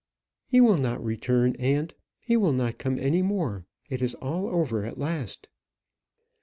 "He will not return, aunt. He will not come any more; it is all over at last."